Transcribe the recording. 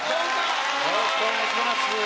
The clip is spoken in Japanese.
よろしくお願いします。